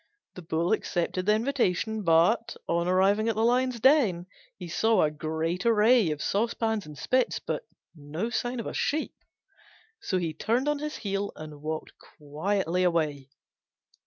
The Bull accepted the invitation, but, on arriving at the Lion's den, he saw a great array of saucepans and spits, but no sign of a sheep; so he turned on his heel and walked quietly away.